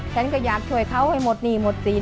ฉันก็อยากช่วยเขาให้หมดหนี้หมดสิน